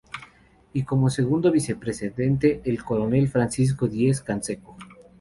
Y como segundo Vicepresidente al Coronel Francisco Diez Canseco.